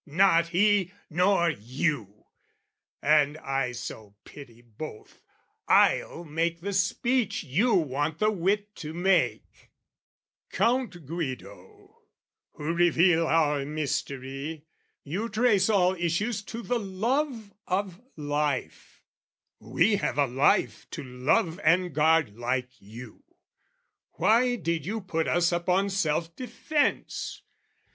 Not he, nor you! And I so pity both, I'll make the speech you want the wit to make: "Count Guido, who reveal our mystery, "You trace all issues to the love of life: "We have a life to love and guard, like you. "Why did you put us upon self defence?